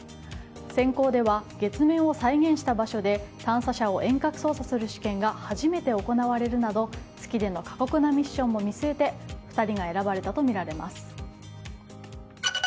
選考では月面を再現した場所で探査車を遠隔操作する試験が初めて行われるなど月での過酷なミッションを見据えて２人が選ばれたとみられます。